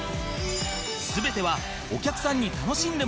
全てはお客さんに楽しんでもらうため